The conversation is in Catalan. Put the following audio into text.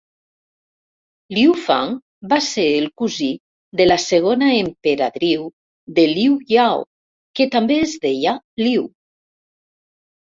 Liu Fang va ser el cosí de la segona emperadriu de Liu Yao, que també es deia Liu.